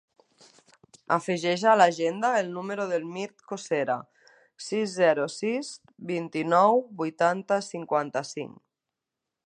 Afegeix a l'agenda el número del Mirt Cocera: sis, zero, sis, vint-i-nou, vuitanta, cinquanta-cinc.